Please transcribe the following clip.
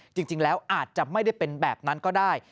จริงแล้วอาจจะไม่ได้เป็นแบบนั้นก็ได้